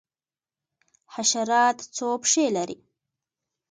حشرات څو پښې لري؟